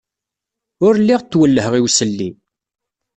Ul lliɣ ttwellheɣ i uselli.